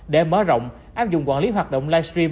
để mở rộng áp dụng quản lý hoạt động live stream